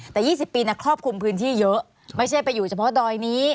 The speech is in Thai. แต่๒๐ปีครอบคลุมพื้นที่เยอะไม่ใช่ไปอยู่เฉพาะดอยนี้